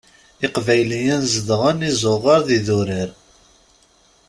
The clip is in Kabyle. Iqbayliyen zedɣen izuɣar d yidurar.